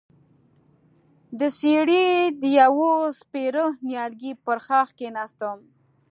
د څېړۍ د يوه سپېره نيالګي پر ښاخ کېناستم،